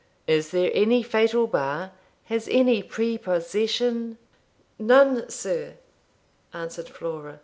'Is there any fatal bar has any prepossession ' 'None, sir,' answered Flora.